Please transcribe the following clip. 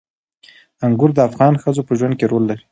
انګور د افغان ښځو په ژوند کې رول لري.